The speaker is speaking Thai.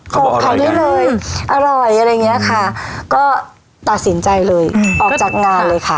เขาบอกอร่อยไงอร่อยอะไรเงี้ยค่ะก็ตัดสินใจเลยออกจากงานเลยค่ะ